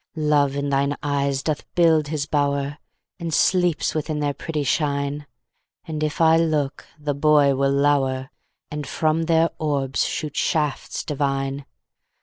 Love in thine eyes doth build his bower, And sleeps within their pretty shine; And if I look, the boy will lower, And from their orbs shoot shafts divine.